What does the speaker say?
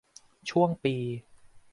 ช่วงปี